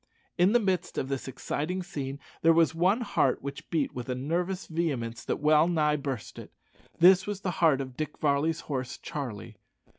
In the midst of this exciting scene there was one heart which beat with a nervous vehemence that well nigh burst it. This was the heart of Dick Varley's horse, Charlie.